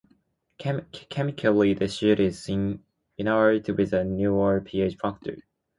Chemically, the sheet is inert, with a neutral pH factor.